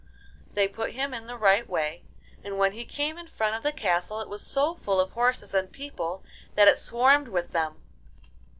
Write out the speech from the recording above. They put him in the right way, and when he came in front of the castle it was so full of horses and people that it swarmed with them.